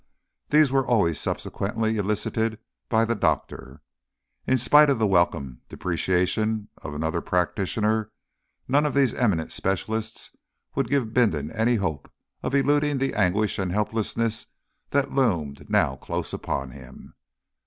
These were always subsequently elicited by the doctor. In spite of the welcome depreciation of another practitioner, none of these eminent specialists would give Bindon any hope of eluding the anguish and helplessness that loomed now close upon him.